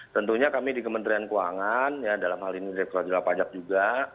tentunya kami di kementerian keuangan ya dalam hal ini dari kerajaan pajak juga